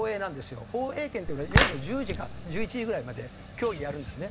放映権っていうのは夜の１０時から１１時ぐらいまで競技やるんですね。